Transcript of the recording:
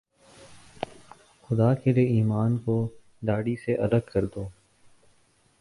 خدا کے لئے ایمان کو داڑھی سے الگ کر دو